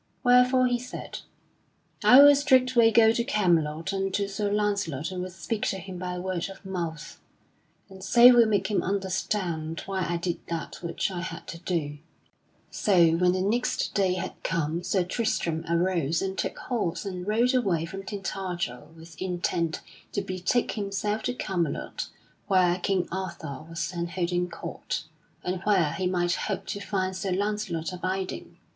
Wherefore he said: "I will straightway go to Camelot and to Sir Launcelot and will speak to him by word of mouth, and so will make him understand why I did that which I had to do." [Sidenote: Sir Tristram rides to Camelot] So when the next day had come Sir Tristram arose and took horse and rode away from Tintagel with intent to betake himself to Camelot where King Arthur was then holding court, and where he might hope to find Sir Launcelot abiding.